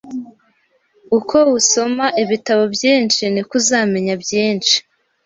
Uko usoma ibitabo byinshi, niko uzamenya byinshi